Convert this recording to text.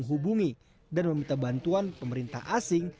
trump mencoba menghubungi dan meminta bantuan pemerintah asing